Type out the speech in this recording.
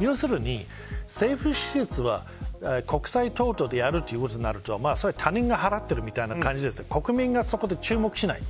要するに、政府支出は国債等とでやるとなると他人が払っているみたいな感じですが国民がそこで注目しません。